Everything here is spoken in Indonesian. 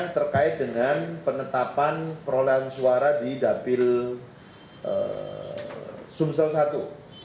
terkait dengan penetapan perolehan suara di dapil sumsel i